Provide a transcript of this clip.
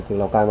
từ lào cai